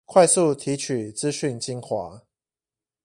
快速提取資訊精華